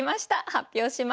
発表します。